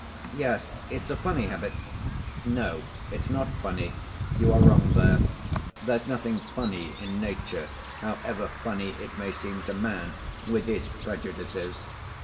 "Yes; it's a funny habit." "No, it's not funny; you are wrong there. There's nothing funny in nature, however funny it may seem to man with his prejudices.